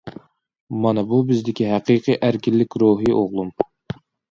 مانا بۇ بىزدىكى ھەقىقىي ئەركىنلىك روھى ئوغلۇم.